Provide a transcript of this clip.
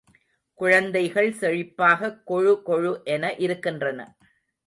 குழந்தைகள் செழிப்பாகக் கொழு கொழு என இருக்கின்றன.